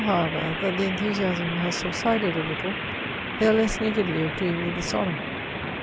Now, however, that the enthu siasm has subsided a little, they are less niggardly of doing me this honour.